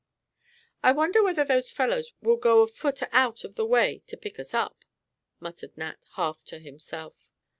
"I wonder whether those fellows will go a foot out of the way to pick us up," muttered Nat, half to himself.